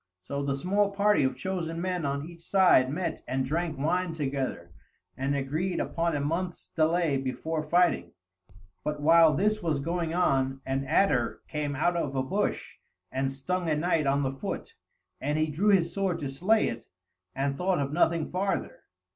So the small party of chosen men on each side met and drank wine together, and agreed upon a month's delay before fighting; but while this was going on an adder came out of a bush and stung a knight on the foot, and he drew his sword to slay it and thought of nothing farther.